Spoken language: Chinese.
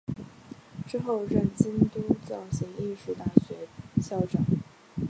之后任京都造形艺术大学校长。